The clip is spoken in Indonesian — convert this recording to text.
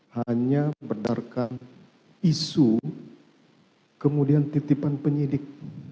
hanya berdasarkan isu kemudian titipan penyidik